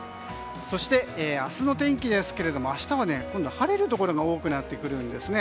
そして、明日の天気ですけども明日は晴れるところが多くなってくるんですね。